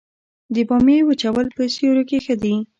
د بامیې وچول په سیوري کې ښه دي؟